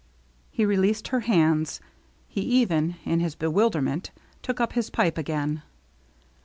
He released her hands. He even, in his bewilderment, took up his pipe again.